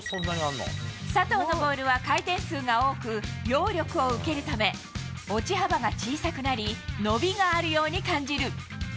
佐藤のボールは回転数が多く、揚力を受けるため、落ち幅が小さくなり、伸びがあるように感じる。